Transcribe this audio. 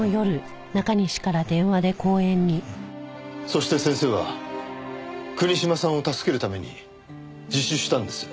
そして先生は国島さんを助けるために自首したんです。